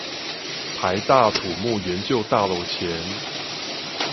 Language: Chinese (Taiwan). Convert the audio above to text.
臺大土木研究大樓前